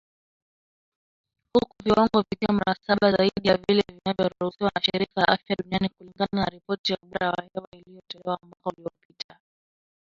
Huku viwango vikiwa mara saba zaidi ya vile vinavyoruhusiwa na shirika la afya duniani, kulingana na ripoti ya ubora wa hewa iliyotolewa mwaka uliopita.